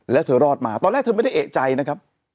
แล้วเธอรอดมาตอนแรกเธอไม่ได้เอกใจนะครับ